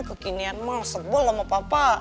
kekinian malsap bol sama papa